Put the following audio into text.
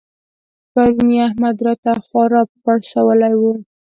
پرون يې احمد راته خورا پړسولی وو.